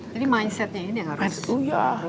jadi mindsetnya ini yang harus berubah ya